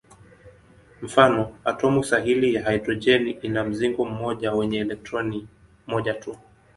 Mfano: atomu sahili ya hidrojeni ina mzingo mmoja wenye elektroni moja tu.